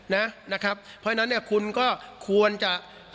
เพราะฉะนั้นเนี่ยคุณก็ควรจะ